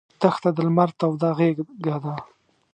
دښته د لمر توده غېږه ده.